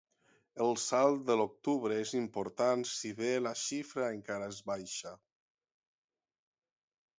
El salt de l’octubre és important, si bé la xifra encara és baixa.